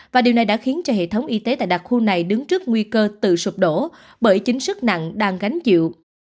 và điều này đã khiến cho hệ thống y tế tại đặc khu này đứng trước nguy cơ tự sụp đổ bởi chính sức nặng đang gánh chịu